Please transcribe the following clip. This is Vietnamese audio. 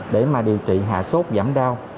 để mà điều trị hạ sốt giảm đau